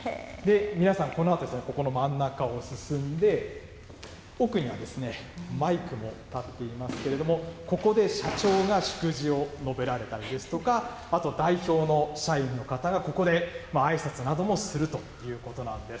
皆さん、このあと、この真ん中を進んで、奥にはマイクも立っていますけれども、ここで社長が祝辞を述べられたりですとか、あと代表の社員の方が、ここであいさつなどもするということなんです。